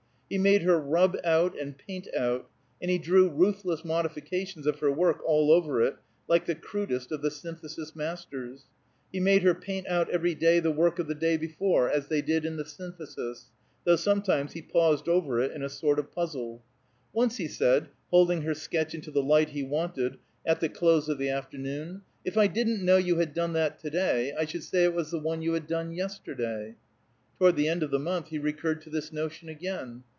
He made her rub out and paint out, and he drew ruthless modifications of her work all over it, like the crudest of the Synthesis masters. He made her paint out every day the work of the day before, as they did in the Synthesis; though sometimes he paused over it in a sort of puzzle. Once he said, holding her sketch into the light he wanted, at the close of the afternoon, "If I didn't know you had done that to day, I should say it was the one you had done yesterday." Toward the end of the month he recurred to this notion again.